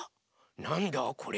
なんだこれ？